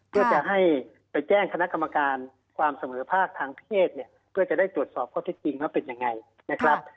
เพื่อจะให้ไปแจ้งคณะกรรมการความเสมอภาคทางเพศเนี่ยเพื่อจะได้ตรวจสอบข้อเท็จจริงว่าเป็นยังไงนะครับ